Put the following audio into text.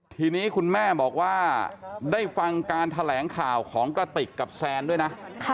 ทีนี้คุณแม่บอกว่าได้ฟังการแถลงข่าวของกระติกกับแซนด้วยนะ